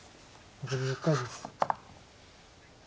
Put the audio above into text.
残り６回です。